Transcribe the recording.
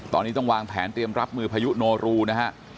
ตอนนี้ต้องวางแผนเตรียมรับมือพายุโนรูนะฮะ